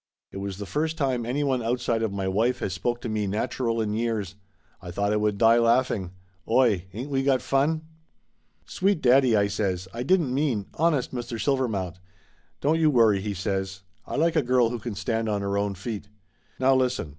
"It was the first time anyone outside of my wife has spoke to me nachural in years ! I thought I would die laffing. Oy ! Ain't we got fun ?" "Sweet daddy!" I says. "I didn't mean honest, Mr. Silvermount " "Don't you worry !" he says. "I like a girl who can stand on her own feet. Now listen.